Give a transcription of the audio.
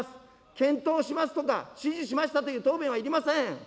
検討しますとか指示しましたという答弁はいりません。